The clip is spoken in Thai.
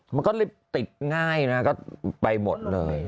มันก็เลยติดง่ายนะก็ไปหมดเลย